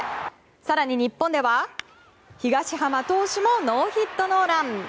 更に、日本では東浜投手もノーヒットノーラン。